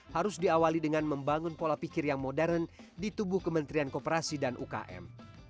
harus diawali dengan membangun pola pikir yang modern di tubuh kementerian kooperasi dan ukm